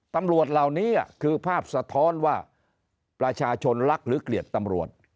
ตำรวจเหล่านี้คือภาพสะท้อนว่าประชาชนรักหรือเกลียดตำรวจ